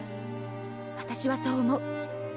私はそう思う。